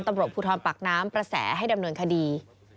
ตำรวจภูทรปากน้ำประแสให้ดำเนินคดี